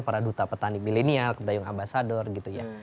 para duta petani milenial dayung ambasador gitu ya